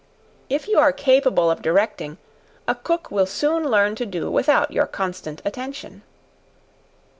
If you are capable of directing, a cook will soon learn to do without your constant attention.